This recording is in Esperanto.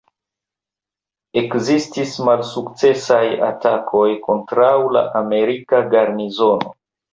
Ekzistis malsukcesaj atakoj kontraŭ la amerika garnizono.